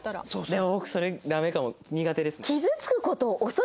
でも僕それダメかも苦手ですね。